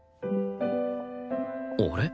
あれ？